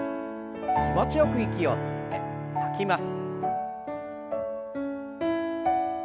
気持ちよく息を吸って吐きます。